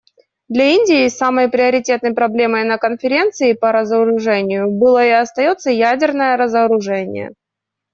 Для Индии самой приоритетной проблемой на Конференции по разоружению было и остается ядерное разоружение.